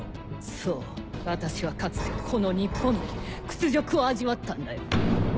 そう私はかつてこの日本で屈辱を味わったんだよ。